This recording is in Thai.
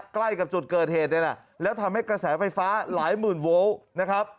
ใกล้กับจุดเกิดเหตุนี่แหละแล้วทำให้กระแสไฟฟ้าหลายหมื่นโวลต์นะครับ